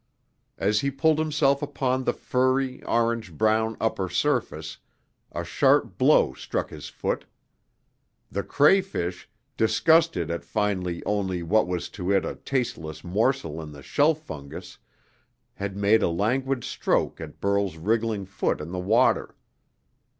As he pulled himself upon the furry, orange brown upper surface, a sharp blow struck his foot. The crayfish, disgusted at finding only what was to it a tasteless morsel in the shelf fungus, had made a languid stroke at Burl's wriggling foot in the water.